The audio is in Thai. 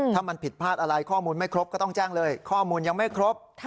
ถ้ามันผิดพลาดอะไรข้อมูลไม่ครบก็ต้องแจ้งเลยข้อมูลยังไม่ครบ